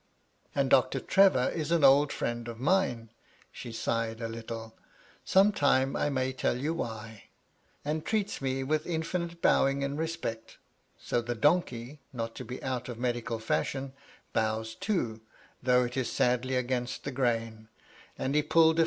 And Doctor Trevor is an old friend of mine " (she sighed a little, some time I may tell you why), "and treats me with infinite bowing and respect; so the donkey, not to be out of medical fashion, bows too, though it is sadly against the grain : and he pulled a M 3 250 MY LADY LUDLOW.